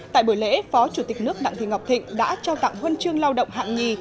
tại buổi lễ phó chủ tịch nước đặng thị ngọc thịnh đã trao tặng huân chương lao động hạng nhì